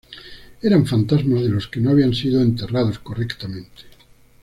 Eran fantasmas de los que no habían sido enterrados correctamente.